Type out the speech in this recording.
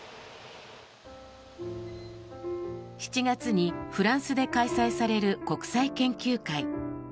７月にフランスで開催される国際研究会。